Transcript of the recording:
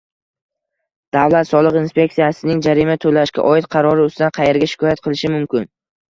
Davlat soliq inspeksiyasining jarima to‘lashga oid qarori ustidan qayerga shikoyat qilishim mumkin?